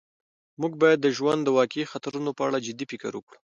موږ باید د ژوند د واقعي خطرونو په اړه جدي فکر وکړو.